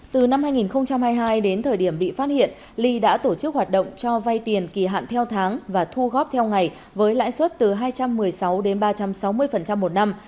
từ năm hai nghìn hai mươi hai đến thời điểm bị phát hiện ly đã tổ chức hoạt động cho vay tiền kỳ hạn theo tháng và thu góp theo ngày với lãi suất từ hai trăm một mươi sáu đến ba trăm sáu mươi một năm